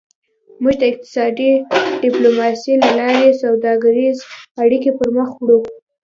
موږ د اقتصادي ډیپلوماسي له لارې سوداګریزې اړیکې پرمخ وړو